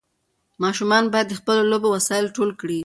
ماشومان باید د خپلو لوبو وسایل ټول کړي.